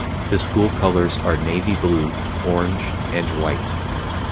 The school colors are navy blue, orange, and white.